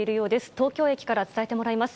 東京駅から伝えてもらいます。